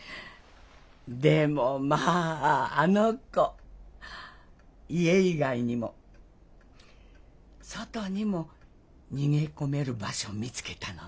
でもまああの子家以外にも外にも逃げ込める場所を見つけたのねえ。